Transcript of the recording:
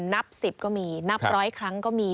นับ๑๐ก็มีนับร้อยครั้งก็มี